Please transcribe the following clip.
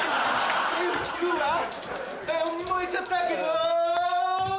服は燃えちゃったけど。